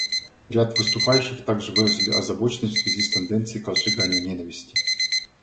Ряд выступающих также выразили озабоченность в связи с тенденцией к разжиганию ненависти.